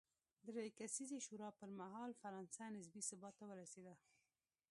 درې کسیزې شورا پر مهال فرانسه نسبي ثبات ته ورسېده.